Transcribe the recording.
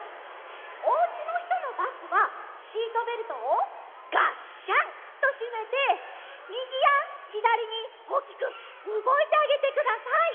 おうちのひとのバスはシートベルトをがっしゃんとしめてみぎやひだりにおおきくうごいてあげてください。